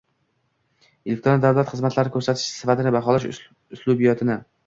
elektron davlat xizmatlari ko‘rsatish sifatini baholash uslubiyotini